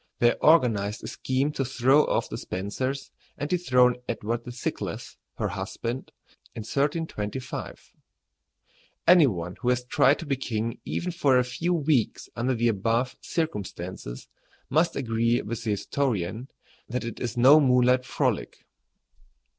They organized a scheme to throw off the Spencers and dethrone Edward the Thinkless, her husband, in 1325. Any one who has tried to be king even for a few weeks under the above circumstances must agree with the historian that it is no moonlight frolic.